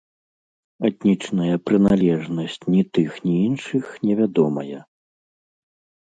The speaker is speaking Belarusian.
Этнічная прыналежнасць ні тых, ні іншых не вядомая.